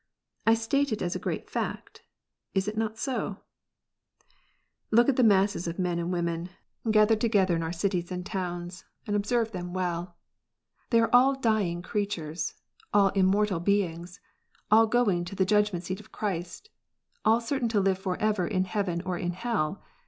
I state it as a great fact. Is it not so ? Look at the masses of men and women gathered together in BEGENERATION. 121 our cities and towns, and observe them well. They are all dying creatures, all immortal beings, all going to the judg ment seat of Christ, all certain to live for ever in heaven or in hell.